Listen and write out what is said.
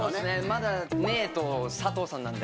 まだ「ねえ」と「佐藤さん」